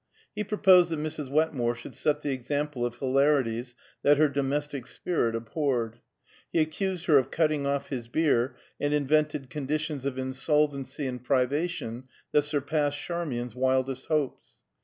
He proposed that Mrs. Wetmore should set the example of hilarities that her domestic spirit abhorred; he accused her of cutting off his beer, and invented conditions of insolvency and privation that surpassed Charmian's wildest hopes.